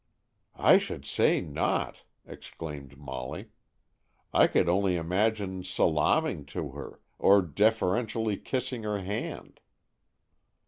"I should say not!" exclaimed Molly. "I could only imagine salaaming to her, or deferentially kissing her hand."